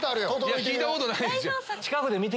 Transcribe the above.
いや聞いたことないですよ！